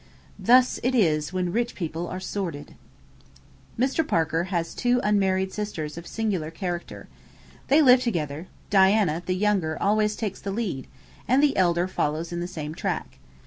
Thus it is when rich people are sordid.' Mr. Parker has two unmarried sisters of singular character. They live together; Diana, the younger, always takes the lead, and the elder follows in the same track.